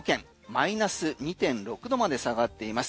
マイナス２．６度まで下がっています。